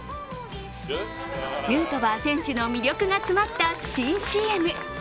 ヌートバー選手の魅力が詰まった新ＣＭ。